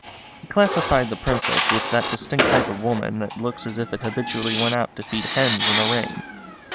He classified the Princess with that distinct type of woman that looks as if it habitually went out to feed hens in the rain.